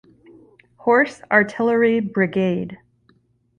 Horse Artillery Brigade.